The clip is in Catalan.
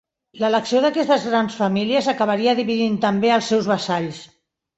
L'elecció d'aquestes grans famílies acabaria dividint també als seus vassalls.